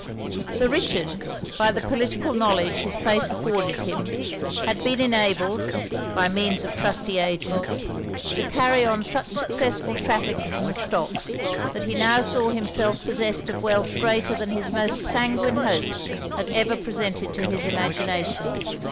Sir Richard, by the political knowledge his place afforded him, had been enabled (by means of trusty agents) to carry on such successful traffic in the stocks, that he now saw himself possessed of wealth greater than his most sanguine hopes had ever presented to his imagination.